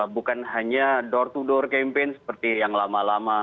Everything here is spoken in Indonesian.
bukan hanya door to door campaign seperti yang lama lama